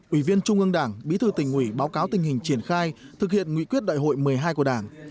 ủy viên trung ương đảng bí thư tỉnh ủy báo cáo tình hình triển khai thực hiện nghị quyết đại hội một mươi hai của đảng